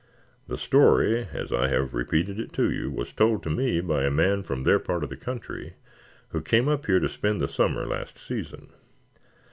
The story, as I have repeated it to you, was told to me by a man from their part of the country who came up here to spend the summer last season.